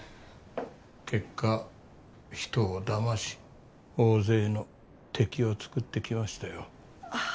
結果人をだまし大勢の敵を作ってきましたよ。